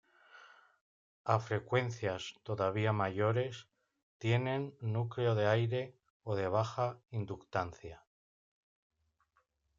A frecuencias todavía mayores, tienen núcleo de aire o de baja inductancia.